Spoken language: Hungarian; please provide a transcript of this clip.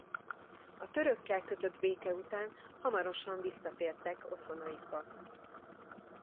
A törökkel kötött béke után hamarosan visszatértek otthonaikba.